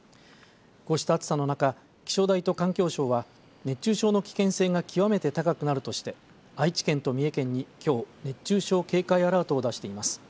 こうした暑さの中気象台と環境省は熱中症の危険性が極めて高くなるとして愛知県と三重県にきょう熱中症警戒アラートを出しています。